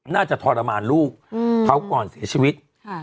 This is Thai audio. น่าจะทรมานลูกเพราะก่อนเสียชีวิต